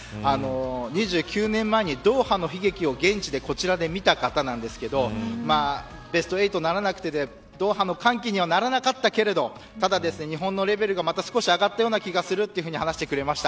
２９年前に、ドーハの悲劇を現地でこちらで見た方なんですけどベスト８ならなくて、ドーハの歓喜にはならなかったけれどただ、日本のレベルが、また少し上がってるような気がすると話してくれました。